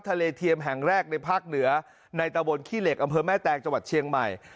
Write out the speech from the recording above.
เทียมแห่งแรกในภาคเหนือในตะบนขี้เหล็กอำเภอแม่แตงจังหวัดเชียงใหม่